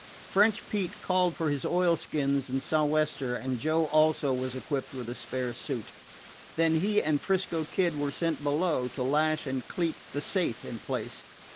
French Pete called for his oilskins and sou'wester, and Joe also was equipped with a spare suit. Then he and 'Frisco Kid were sent below to lash and cleat the safe in place.